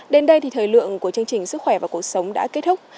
đến đây thì thời lượng của chương trình sức khỏe và cuộc sống đã kết thúc